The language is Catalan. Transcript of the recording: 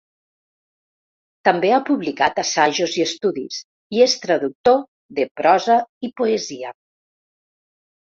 També ha publicat assajos i estudis, i és traductor de prosa i poesia.